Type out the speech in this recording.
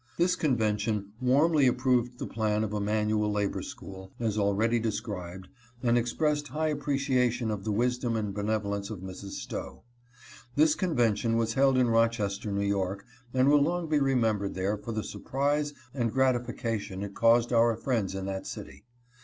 This convention warmly 358 MRS. STOWE ATTACKED. approved the plan of a manual labor school, as already described, and expressed high appreciation of the wisdom and benevolence of Mrs. Stowe. This convention was held in Rochester, N. Y.; and will long be remembered there for the surprise and gratification it caused our friends in that city.